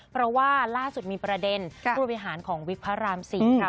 เพราะว่าล่าสุดมีประเด็นผู้บริหารของวิกพระราม๔ค่ะ